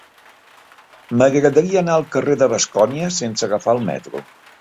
M'agradaria anar al carrer de Bascònia sense agafar el metro.